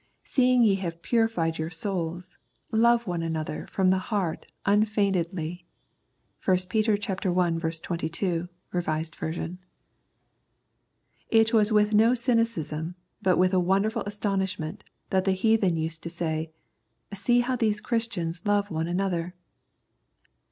Seeing ye have purified your souls ... love one another from the heart unfeignedly " (i Pet. i. 22, R.V.). It was with no cynicism, but with a wonderful astonishment, that the heathen used to say, " See how these Christians love one another."